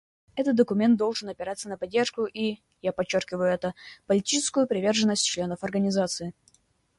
Этот документ должен опираться на поддержку и, я подчеркиваю это, политическую приверженность членов Организации.